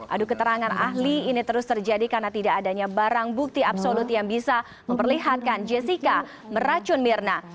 adu keterangan ahli ini terus terjadi karena tidak adanya barang bukti absolut yang bisa memperlihatkan jessica meracun mirna